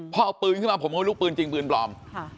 พอเอาปืนขึ้นมาผมก็ลุกปืนจริงปืนปลอม